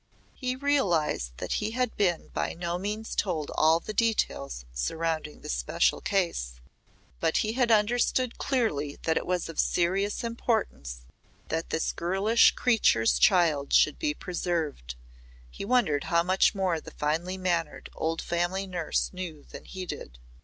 He realised that he had been by no means told all the details surrounding this special case, but he had understood clearly that it was of serious importance that this girlish creature's child should be preserved. He wondered how much more the finely mannered old family nurse knew than he did.